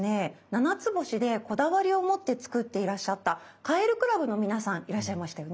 ななつぼしでこだわりを持って作っていらっしゃったカエル倶楽部の皆さんいらっしゃいましたよね。